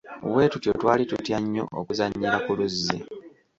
Bwetutyo twali tutya nnyo okuzannyira ku luzzi.